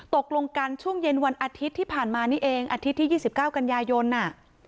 ตกลงกันช่วงเย็นวันอาทิตย์ที่ผ่านมานี่เองอาทิตย์ที่๒๙กันยายนอ่ะ